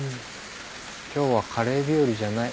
今日はカレー日和じゃない。